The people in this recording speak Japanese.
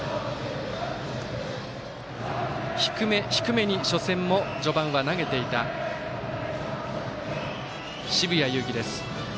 低め、低めに初戦は序盤は投げていた澁谷優希です。